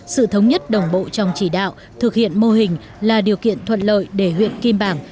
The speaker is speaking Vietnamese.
sự thống nhất đồng bộ trong chỉ đạo thực hiện mô hình là điều kiện thuận lợi để huyện kim bảng